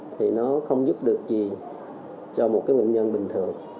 thì nó không giúp được gì cho một cái mắc sán dây lợn